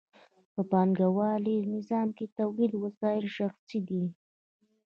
په پانګوالي نظام کې تولیدي وسایل شخصي دي